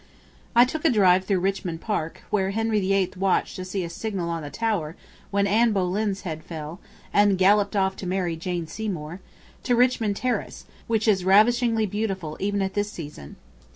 I took a drive through Richmond Park (where Henry the Eighth watched to see a signal on the Tower when Anne Boleyn's head fell, and galloped off to marry Jane Seymour) to Richmond Terrace, which is ravishingly beautiful even at this season.